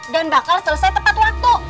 dan bakal selesai tepat waktu